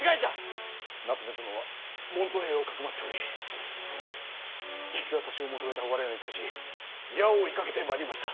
夏目殿は門徒兵をかくまっており引き渡しを求めた我らに対し矢を射かけてまいりました。